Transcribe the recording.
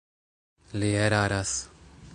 Li eraras.